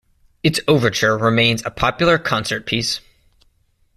Its overture remains a popular concert piece.